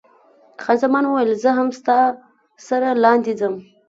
خان زمان وویل، زه هم ستا سره لاندې ځم.